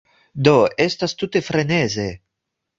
Do estas tute freneze.